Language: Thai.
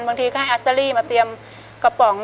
บางทีก็ให้อัสเตอรี่มาเตรียมกระป๋อง